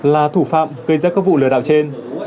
là thủ phạm gây ra các vụ lừa đảo trên